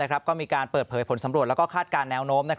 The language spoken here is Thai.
ก็มีการเปิดเผยผลสำรวจและคาดการณ์แนวโน้ม